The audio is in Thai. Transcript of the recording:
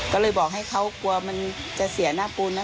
ก็เลยบอกให้เขากลัวมันจะเสียหน้าปูนนะ